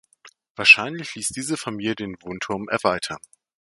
Wahrscheinlich ließ diese Familie den Wohnturm erweitern.